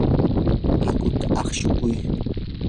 hakuta aqshukuy.